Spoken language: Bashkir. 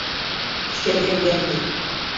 — Иҫәрләнгән был.